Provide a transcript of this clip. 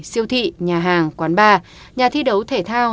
siêu thị nhà hàng quán bar nhà thi đấu thể thao